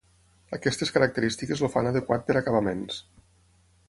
Aquestes característiques el fan adequat per acabaments.